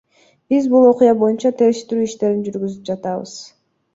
Биз бул окуя боюнча териштирүү иштерин жүргүзүп жатабыз.